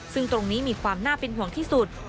ซึ่งตรงนี้มีความน่าเป็นห่วงที่สุด